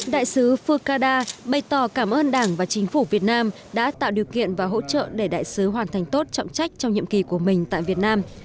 đại sứ fukada bày tỏ cảm ơn đảng và chính phủ việt nam đã tạo điều kiện và hỗ trợ để đại sứ hoàn thành tốt trọng trách trong nhiệm kỳ của mình tại việt nam